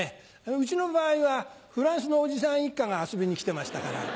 うちの場合はフランスのおじさん一家が遊びに来てましたから。